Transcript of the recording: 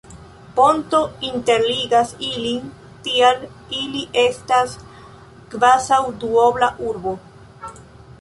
Ponto interligas ilin, tial ili estas kvazaŭ Duobla urbo.